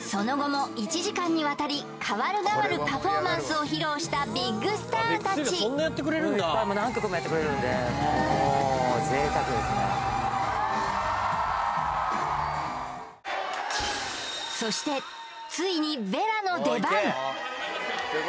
その後も１時間にわたりかわるがわるパフォーマンスを披露したビッグスターたちそしてついにヴェラの出番